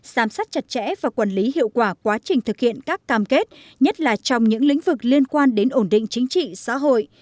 giám sát chặt chẽ và quản lý hiệu quả quá trình thực hiện các cam kết nhất là trong những lĩnh vực liên quan đến ổn định chính trị xã hội